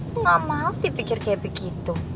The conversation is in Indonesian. gue gamau dipikir kayak begitu